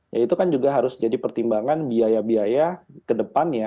ya itu kan juga harus jadi pertimbangan biaya biaya ke depannya